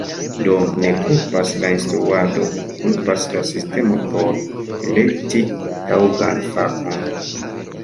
Do, ne kulpas la instruado; kulpas la sistemo por elekti taŭgan fakon.